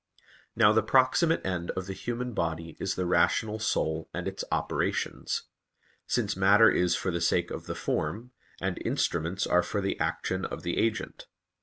Now the proximate end of the human body is the rational soul and its operations; since matter is for the sake of the form, and instruments are for the action of the agent.